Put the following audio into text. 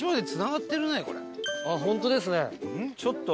本当ですね。